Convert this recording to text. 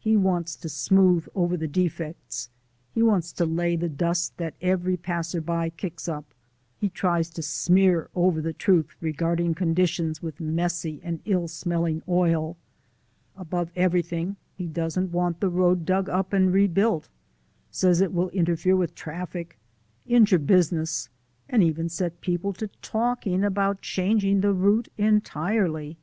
He wants to smooth over the defects, he wants to lay the dust that every passerby kicks up, he tries to smear over the truth regarding conditions with messy and ill smelling oil. Above everything, he doesn't want the road dug up and rebuilt says it will interfere with traffic, injure business, and even set people to talking about changing the route entirely!